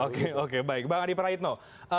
oke oke bang adi prahitno